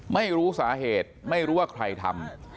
ไม่รู้สาเหตุไม่รู้ว่าใครทำ